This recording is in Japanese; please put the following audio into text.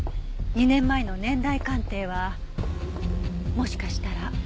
２年前の年代鑑定はもしかしたら。